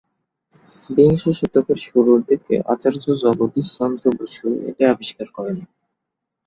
বিংশ শতকের শুরুর দিকে আচার্য জগদীশচন্দ্র বসু এটি আবিষ্কার করেন।